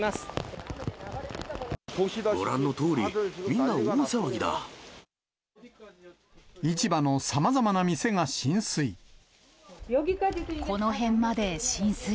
ご覧のとおり、みんな大騒ぎ市場のさまざまな店が浸水。